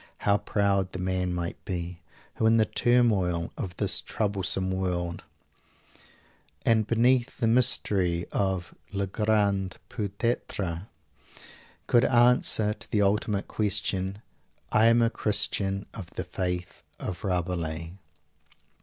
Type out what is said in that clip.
How proud the man might be, who in the turmoil of this troublesome world and beneath the mystery of "le grand Peut être" could answer to the ultimate question, "I am a Christian of the faith of Rabelais!"